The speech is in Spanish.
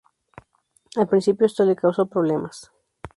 Al principio, esto le causó problemas.